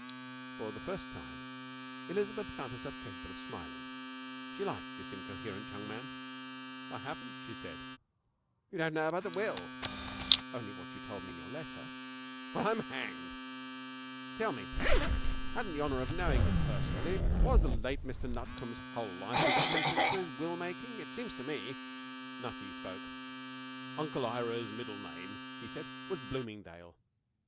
For the first time Elizabeth found herself capable of smiling. She liked this incoherent young man. 'I haven't,' she said. 'You don't know about the will?' 'Only what you told me in your letter.' 'Well, I'm hanged! Tell me I hadn't the honour of knowing him personally was the late Mr Nutcombe's whole life as eccentric as his will making? It seems to me ' Nutty spoke. 'Uncle Ira's middle name,' he said, 'was Bloomingdale.